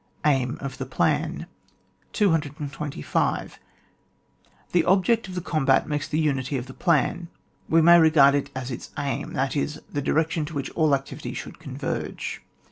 Aim of the Plan. 225. The object of the combat makes the unity of the plan : we may regard it as its aim, that is, the direction to which all activities should converge.